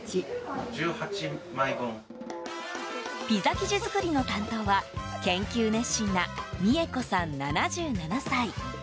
ピザ生地作りの担当は研究熱心な美恵子さん、７７歳。